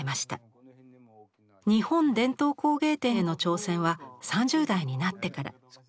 日本伝統工芸展への挑戦は３０代になってから。